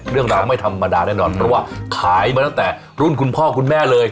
เรื่องราวไม่ธรรมดาแน่นอนเพราะว่าขายมาตั้งแต่รุ่นคุณพ่อคุณแม่เลย